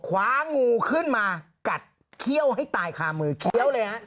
คว้างูขึ้นมากัดเขี้ยวให้ตายคามือเคี้ยวเลยฮะ